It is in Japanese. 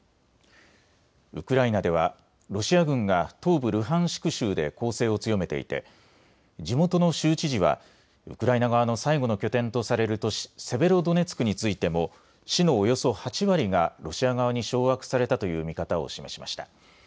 ウクライナではロシア軍が東部ルハンシク州で攻勢を強めていて地元の州知事はウクライナ側の最後の拠点とされる都市セベロドネツクについても市のおよそ８割がロシア側に掌握されたという見方を示しました。